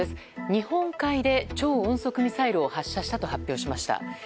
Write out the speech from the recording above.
日本海で超音速ミサイルを発射したと発表しました。